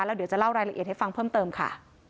แล้วเดี๋ยวจะเล่ารายละเอียดให้ฟังเพิ่มเติมค่ะ